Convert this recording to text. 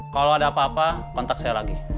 kalau ada apa apa kontak saya lagi